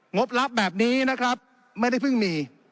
บลับแบบนี้นะครับไม่ได้เพิ่งมี